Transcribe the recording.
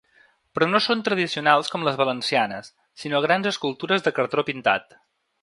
Però no són tradicionals com les valencianes sinó grans escultures de cartó pintat.